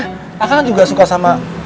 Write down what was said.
kakak juga suka sama